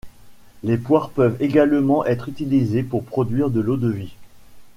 Les poires peuvent également être utilisées pour produire de l'eau-de-vie.